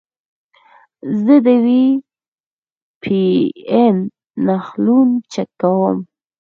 زه د وي پي این نښلون چک کوم.